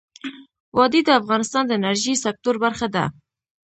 وادي د افغانستان د انرژۍ سکتور برخه ده.